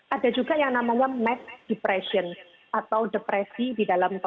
ada juga yang namanya match depression atau depresi di dalam